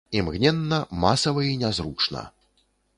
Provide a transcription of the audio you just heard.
Імгненна, масава і нязручна.